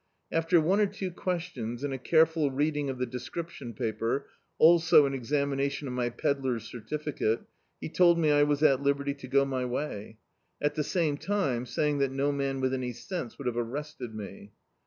After wie or two questions, and a care ful reading of the dcscriprion paper, also an exami nation of my pedlar's certificate, he told me I was at liberty to go my way, at the same time saying that no man with any sense would have arrested me.